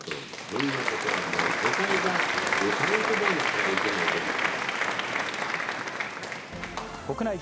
そんなことはもう、世界が抑え込まなきゃいけないと思う。